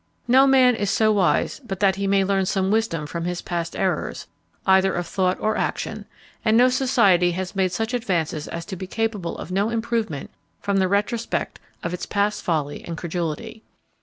No man is so wise but that he may learn some wisdom from his past errors, either of thought or action; and no society has made such advances as to be capable of no improvement from the retrospect of its past folly and credulity.